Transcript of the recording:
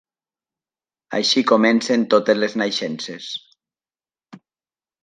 Així comencen totes les naixences.